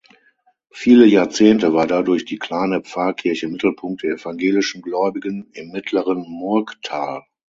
Viele Jahrzehnte war dadurch die kleine Pfarrkirche Mittelpunkt der evangelischen Gläubigen im mittleren Murgtal.